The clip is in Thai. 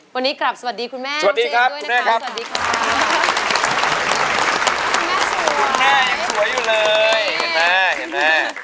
วันนี้กลับสวัสดีคุณแม่สวัสดีครับคุณแม่ครับคุณแม่อยู่เลยเห็นไหม